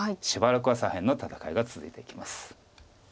しばらくは左辺の戦いが続いていきます。